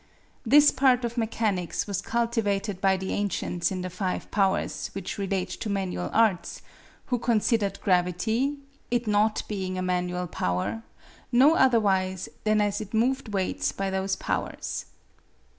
This part of mechanics was cultivated by the ancients in the five powers which relate to manual arts, who considered gravity (it not being a manual power) no otherwise than as it moved weights by those powers.